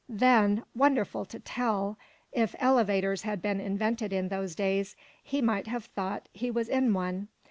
Then, wonderful to tell! if elevators had been invented in those days, he might have thought he was in one.